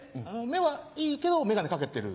目はいいけど眼鏡掛けてる？